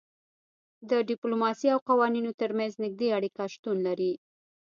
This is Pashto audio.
د ډیپلوماسي او قوانینو ترمنځ نږدې اړیکه شتون لري